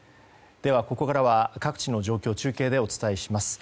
ここからは各地の状況を中継でお伝えします。